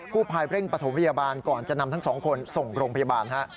ภายเร่งปฐมพยาบาลก่อนจะนำทั้งสองคนส่งโรงพยาบาลฮะ